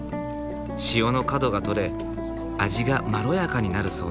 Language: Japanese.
塩の角が取れ味がまろやかになるそうだ。